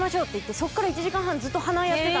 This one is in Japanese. そこから１時間半鼻やってた。